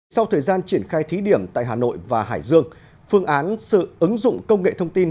sau thời gian triển khai thí điểm tại hà nội và hải dương phương án sự ứng dụng công nghệ thông tin